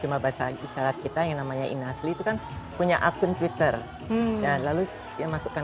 jum'at basah isyarat kita yang namanya ina asli itu kan punya akun twitter dan lalu dia masukkan